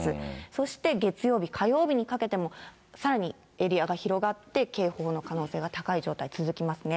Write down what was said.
そして月曜日、火曜日にかけても、さらにエリアが広がって、警報の可能性が高い状態続きますね。